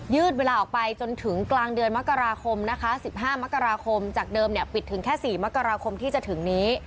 เวลาออกไปจนถึงกลางเดือนมกราคมนะคะ๑๕มกราคมจากเดิมเนี่ยปิดถึงแค่๔มกราคมที่จะถึงนี้